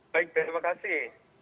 baik terima kasih